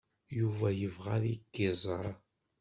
Yuba yebɣa ad k-iẓer.